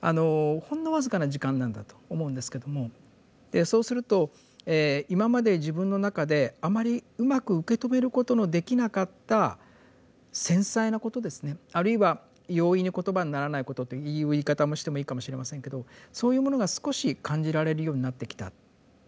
あのほんの僅かな時間なんだと思うんですけどもそうすると今まで自分の中であまりうまく受け止めることのできなかった繊細なことですねあるいは容易に言葉にならないことという言い方をしてもいいかもしれませんけどそういうものが少し感じられるようになってきた。